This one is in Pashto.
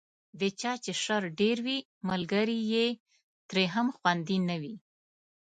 د چا چې شر ډېر وي، ملګری یې ترې هم خوندي نه وي.